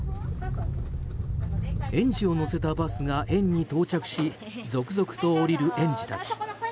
園児を乗せたバスが園に到着し続々と降りる園児たち。